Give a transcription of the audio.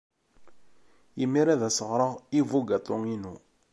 Imir-a ad as-ɣreɣ i ubugaṭu-inu.